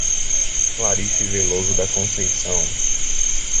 Clarice Veloso da Conceicao